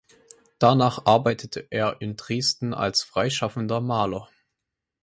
Danach arbeitete er in Dresden als freischaffender Maler.